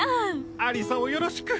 亜里沙をよろしく。